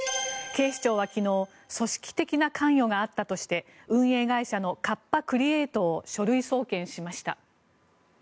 警視庁は昨日組織的な関与があったとして運営会社のカッパ・クリエイトを書類送検しました。